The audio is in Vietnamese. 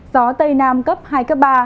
gió tây nam cấp hai cấp ba